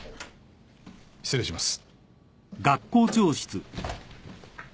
失礼します。